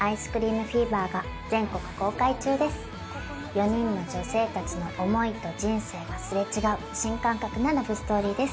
４人の女性たちの思いと人生が擦れ違う新感覚なラブストーリーです。